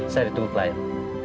saya ditunggu klien